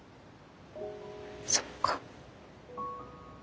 そっか。